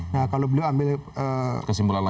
nah kalau beliau ambil kesimpulan lama